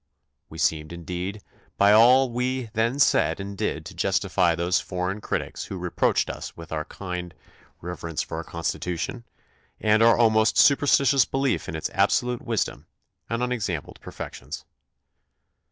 We seemed, indeed, by all we then said and did to justify those foreign critics who reproached us with our blind reverence for our Constitution and our almost superstitious belief in its absolute wisdom and unex ampled perfections.